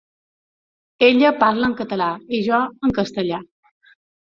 Ella parla en català i jo en castellà.